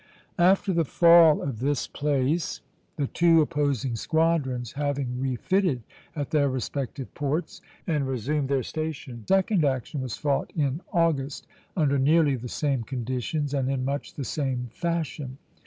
After the fall of this place, the two opposing squadrons having refitted at their respective ports and resumed their station, a second action was fought in August, under nearly the same conditions and in much the same fashion.